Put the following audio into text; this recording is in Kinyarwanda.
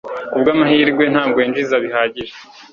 kubwamahirwe, ntabwo yinjiza bihagije